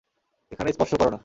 এখানে স্পর্শ কর না।